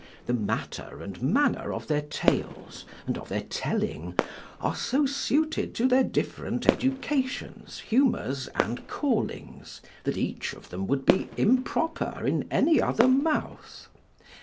The matter and manner of their tales, and of their telling, are so suited to their different educations, humors, and callings, that each of them would be improper in any other mouth.